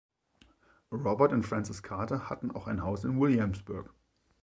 Robert und Frances Carter hatten auch ein Haus in Williamsburg.